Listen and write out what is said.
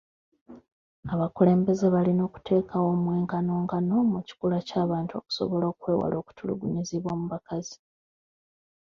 Abakulembeze balina okuteekawo omwenkanonkano mu kikula ky'abantu okusobola okwewala okutulugunyizibwa mu bakazi.